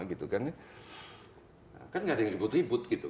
kan tidak ada yang ribut ribut